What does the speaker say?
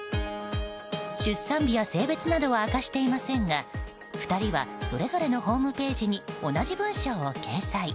出産日や性別などは明かしていませんが２人はそれぞれのホームページに同じ文章を掲載。